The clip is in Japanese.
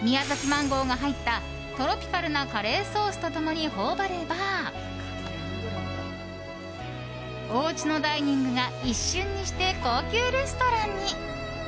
マンゴーが入ったトロピカルなカレーソースと共に頬張ればおうちのダイニングが一瞬にして高級レストランに。